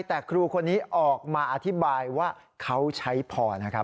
แต่ครูคนนี้ออกมาอธิบายว่าเขาใช้พอนะครับ